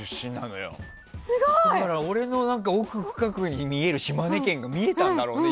だから俺の奥深くにある島根県が見えたんだろうね